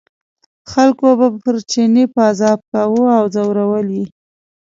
خلکو به پر چیني پازاب کاوه او ځورول یې.